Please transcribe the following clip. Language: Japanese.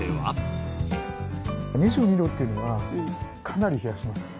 ２２度というのはかなり冷やします。